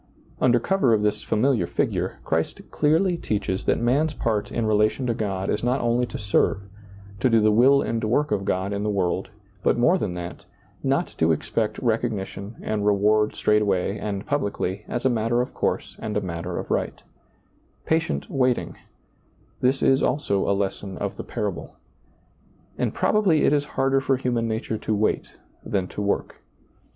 Under cover of this familiar figure, Christ clearly teaches that man's part in relation to God is not only to serve, to do the will and work of God in the world, but more than that, not to expect recogni tion and reward straightway and publicly, as a matter of course and a matter of right Patient waiting ; this is also a lesson of the parable. And probably it is harder for human nature to wait than to work.